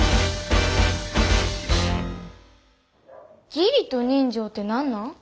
義理と人情って何なん？